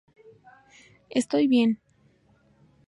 Estoy bien".